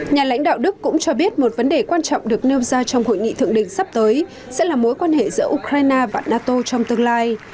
nhà lãnh đạo đức cũng cho biết một vấn đề quan trọng được nêu ra trong hội nghị thượng đỉnh sắp tới sẽ là mối quan hệ giữa ukraine và nato trong tương lai